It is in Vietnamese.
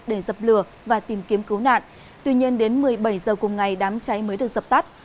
để dập lửa và tìm kiếm cứu nạn tuy nhiên đến một mươi bảy h cùng ngày đám cháy mới được dập tắt